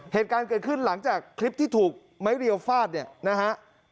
เหตุการณ์เกิดขึ้นหลังจากคลิปที่ถูกไม้เรียวฟาดเนี่ยนะฮะ